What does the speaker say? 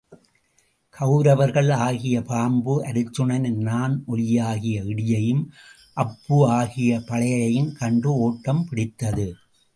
கவுரவர்கள் ஆகிய பாம்பு அர்ச்சுனனின் நாண் ஒலியாகிய இடியையும் அப்பு ஆகிய பழையையும் கண்டு ஒட்டம் பிடித்தது.